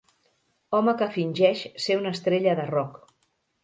Home que fingeix ser una estrella de rock.